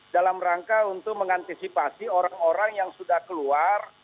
dalam rangka untuk mengantisipasi orang orang yang sudah keluar